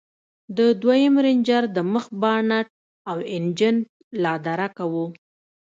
د دويم رېنجر د مخ بانټ او انجن لادرکه و.